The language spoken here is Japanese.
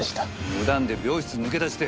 無断で病室抜け出して。